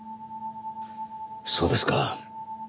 そうですか。